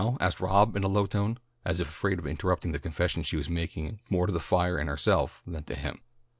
asked Rob, in a low tone, as if afraid of interrupting the confession she was making more to the fire and herself than to him.